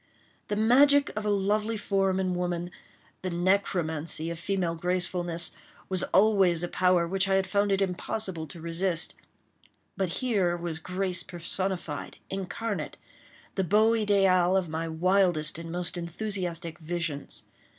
The magic of a lovely form in woman—the necromancy of female gracefulness—was always a power which I had found it impossible to resist, but here was grace personified, incarnate, the beau ideal of my wildest and most enthusiastic visions.